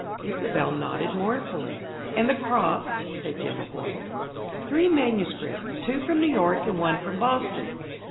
Isobel nodded mournfully. "And the crop?" said Jimaboy. "Three manuscripts; two from New York and one from Boston."